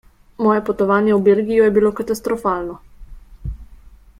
Moje potovanje v Belgijo je bilo katastrofalno.